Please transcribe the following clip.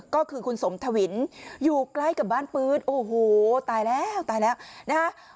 ก็คือคุณสมทวินอยู่ใกล้กับบ้านปื๊ดโอ้โหตายแล้วตายแล้วนะคะ